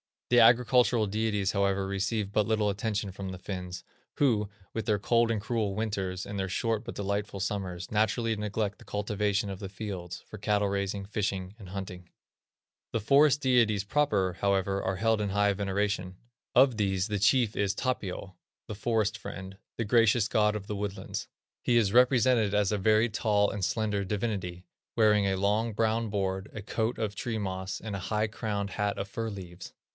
The agricultural deities, however, receive but little attention from the Finns, who, with their cold and cruel winters, and their short but delightful summers, naturally neglect the cultivation of the fields, for cattle raising, fishing, and hunting. The forest deities proper, however, are held in high veneration. Of these the chief is Tapio, "The Forest Friend," "The Gracious God of the Woodlands." He is represented as a very tall and slender divinity, wearing a long, brown board, a coat of tree moss, and a high crowned hat of fir leaves.